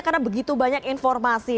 karena begitu banyak informasi